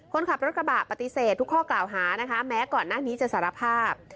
คนขับรถกระบะปฏิเสธทุกข้อกล่าวหานะคะแม้ก่อนหน้านี้จะสารภาพ